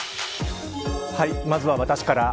まずは私から。